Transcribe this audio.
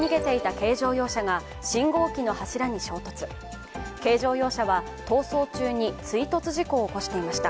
軽乗用車は逃走中に追突事故を起こしていました。